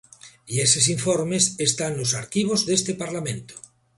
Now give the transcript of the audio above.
E eses informes están nos arquivos deste Parlamento.